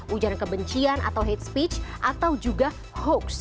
ujaran kebencian atau hate speech atau juga hoax